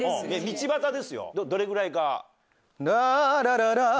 道端ですよどれぐらいか。